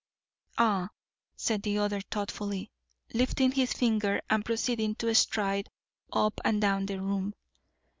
"Ah!" said the other thoughtfully, lifting his finger and proceeding to stride up and down the room.